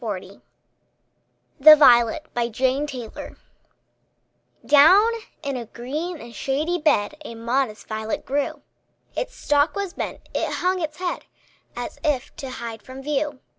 MARY HOWITT THE VIOLET Down in a green and shady bed A modest violet grew; Its stalk was bent, it hung its head, As if to hide from view.